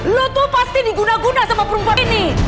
lo tuh pasti diguna guna sama perempuan ini